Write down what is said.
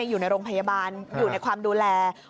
อยู่ในโรงพยาบาล